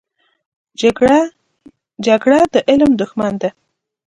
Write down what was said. جګړه د علم دښمنه ده